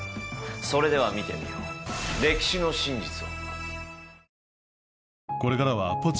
それでは見てみよう歴史の真実を。